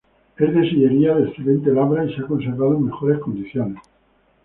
Es de sillería de excelente labra y se ha conservado en mejores condiciones.